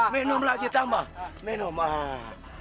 minum lagi tambah